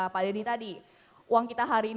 pak dedy tadi uang kita hari ini